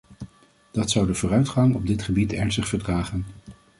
Dat zou de vooruitgang op dit gebied ernstig vertragen.